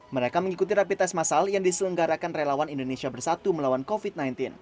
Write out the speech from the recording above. mereka mengikuti rapi tes masal yang diselenggarakan relawan indonesia bersatu melawan covid sembilan belas